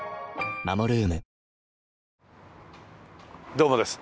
どうもです。